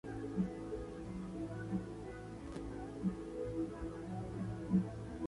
Especialista en Derecho del Trabajo.